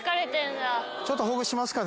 ちょっとほぐしますかね。